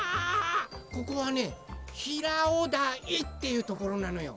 ここはね平尾台っていうところなのよ。